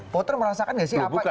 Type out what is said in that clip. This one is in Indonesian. voter merasakan tidak sih